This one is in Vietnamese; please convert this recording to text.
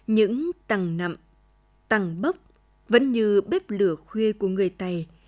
những tăng nặm tăng bốc vẫn như bếp lửa khuya của người tài